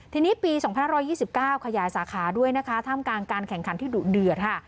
ทีนี้ปี๒๕๒๙ขยายสาขาด้วยท่ามการการแข่งขันที่ดื่มเดือด